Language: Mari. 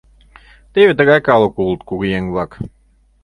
Теве тыгай калык улыт кугыеҥ-влак.